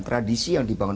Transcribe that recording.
tradisi yang dibangun